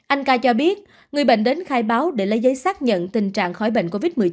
anh ca cho biết người bệnh đến khai báo để lấy giấy xác nhận tình trạng khỏi bệnh covid một mươi chín